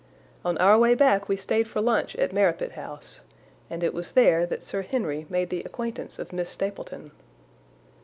On our way back we stayed for lunch at Merripit House, and it was there that Sir Henry made the acquaintance of Miss Stapleton.